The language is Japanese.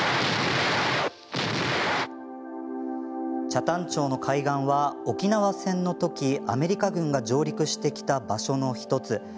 北谷町の海岸は沖縄戦のときアメリカ軍が上陸してきた場所の１つ。